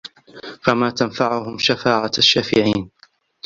فما تنفعهم شفاعة الشافعين